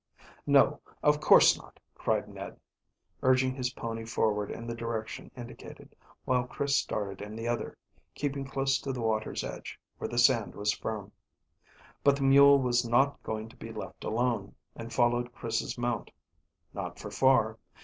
"No, of course not," cried Ned, urging his pony forward in the direction indicated, while Chris started in the other, keeping close to the water's edge, where the sand was firm. But the mule was not going to be left alone, and followed Chris's mount. Not for far.